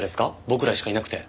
僕らしかいなくて。